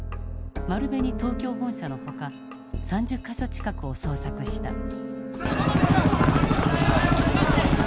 丸紅東京本社のほか３０か所近くを捜索した。